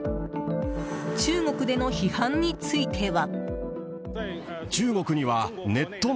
中国での批判については。